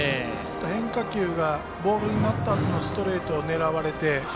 変化球がボールになったあとのストレートを狙われて。